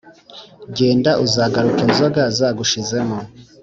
n Genda uzagaruke inzoga zagushizemo